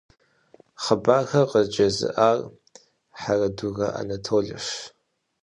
Хъыбархэр къыджезыӀэжар Хьэрэдурэ Анатолэщ.